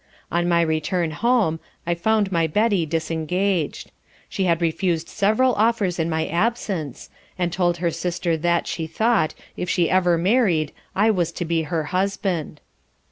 On my return home, I found my Betty disengaged. She had refused several offers in my absence, and told her sister that, she thought, if ever she married I was to be her husband.